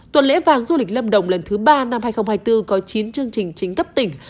tuần lễ vàng du lịch lâm đồng lần thứ ba năm hai nghìn hai mươi bốn có chín chương trình chính cấp tỉnh